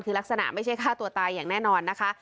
คือลักษณะไม่ใช่ฆ่าตัวตายอย่างแน่นอนนะคะ